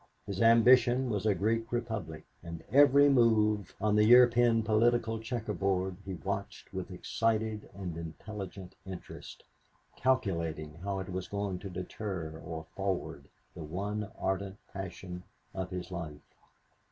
His ambition was a Greek republic, and every move on the European political checker board he watched with excited and intelligent interest, calculating how it was going to deter or forward the one ardent passion of his life.